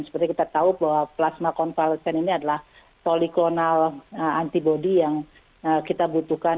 seperti kita tahu bahwa plasma konvalesen ini adalah toliklonal antibody yang kita butuhkan